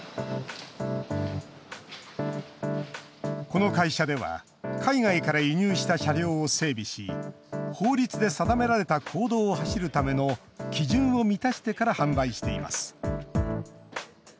この会社では海外から輸入した車両を整備し法律で定められた公道を走るための基準を満たしてから販売しています。